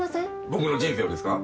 僕の人生をですか？